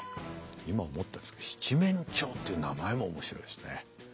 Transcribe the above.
今思ったんですけど七面鳥っていう名前も面白いですね。